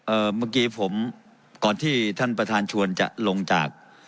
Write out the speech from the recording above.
เมื่อกี้ผมก่อนที่ท่านประธานชวนจะลงจาก